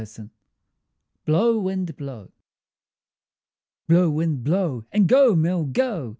BLOW, WIND, BLOW Blow, wind, blow! and go, mill, go!